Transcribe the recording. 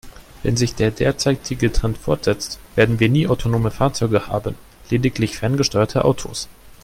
Wenn sich der derzeitige Trend fortsetzt, werden wir nie autonome Fahrzeuge haben, lediglich ferngesteuerte Autos.